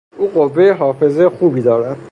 او قوهٔ حافظه خوبی دارد.